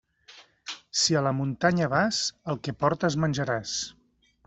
Si a la muntanya vas, el que portes menjaràs.